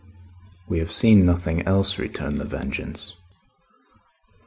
"We have seen nothing else," returned The Vengeance.